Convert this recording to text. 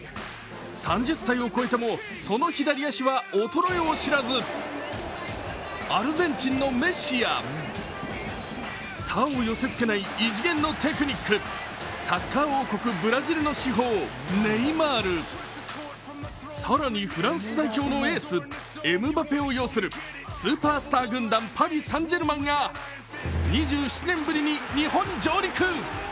３０歳を超えてもその左足は衰えを知らず、アルゼンチンのメッシや他を寄せ付けない異次元のテクニック、サッカー王国ブラジルの至宝・ネイマール更にフランス代表のエース・エムバペを擁するスーパースター軍団パリ・サンジェルマンが２７年ぶりに日本上陸。